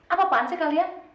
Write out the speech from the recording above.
apa apaan sih kalian